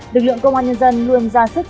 đực lượng công an nhân dân luôn ra sức